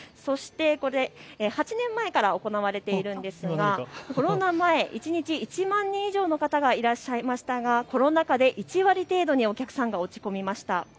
そしてこれ、８年前から行われているんですがコロナ前、一日１万人以上の方がいらっしゃいましたがコロナ禍で１割程度にお客さんが落ち込みました。